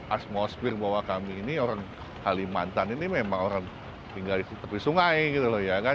atmosfer bahwa kami ini orang kalimantan ini memang orang tinggal di tepi sungai gitu loh ya kan